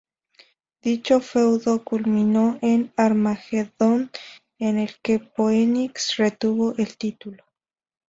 Dicho feudo culminó en "Armageddon" en el que Phoenix retuvo el título.